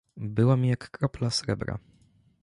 "Była mi jak kropla srebra."